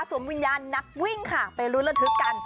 วิญญาณนักวิ่งค่ะไปรู้ระทึกกัน